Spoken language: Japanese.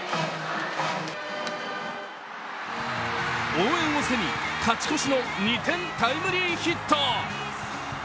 応援を背に勝ち越しの２点タイムリーヒット。